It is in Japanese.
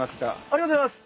ありがとうございます。